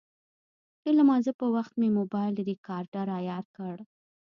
د لمانځه پر وخت مې موبایل ریکاډر عیار کړ.